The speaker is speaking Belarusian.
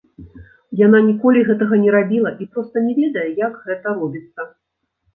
Яна ніколі гэтага не рабіла і проста не ведае, як гэта робіцца.